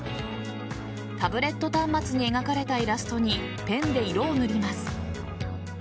タブレット端末に描かれたイラストに、ペンで色を塗ります。